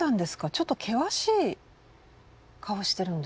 ちょっと険しい顔してるんですね。